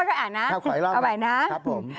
อ๋อค่อยค่อยอ่านนะขออีกรอบค่ะเอาไว้นะครับผม